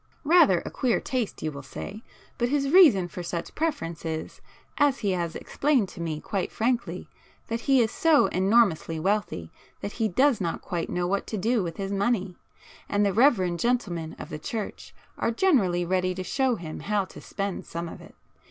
Rather a queer taste you will say, but his reason for such preference is, as he has explained to me quite frankly, that he is so enormously wealthy that he does not quite know what to do with his money, and the reverend gentlemen of the church are generally ready to show him how to spend some of it.